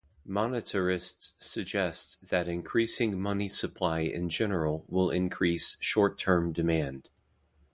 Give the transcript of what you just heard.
Monetarists suggest that increasing money supply in general will increase short-term demand.